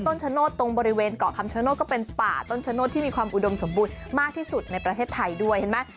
ชโนธตรงบริเวณเกาะคำชโนธก็เป็นป่าต้นชะโนธที่มีความอุดมสมบูรณ์มากที่สุดในประเทศไทยด้วยเห็นไหม